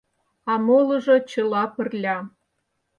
А молыжо чыла пырля.